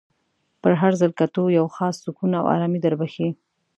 په هر ځل کتو یو خاص سکون او ارامي در بخښي.